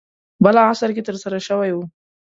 بل عصر کې ترسره شوی و.